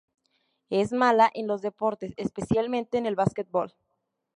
Es mala en los deportes, especialmente en el basketball.